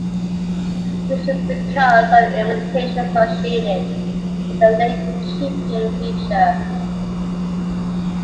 This is because of the limitations associated with the lane-keeping feature.